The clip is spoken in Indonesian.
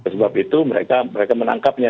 sebab itu mereka menangkapnya